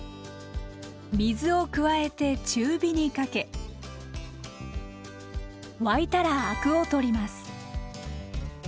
水を加えて中火にかけ沸いたらアクを取ります。